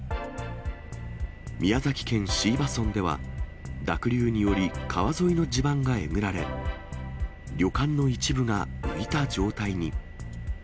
宮崎県椎葉村では、濁流により川沿いの地盤がえぐられ、旅館の一部が浮いた状態に。